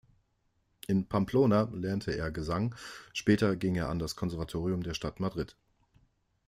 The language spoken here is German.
In Pamplona lernte er Gesang, später ging er an das Konservatorium der Stadt Madrid.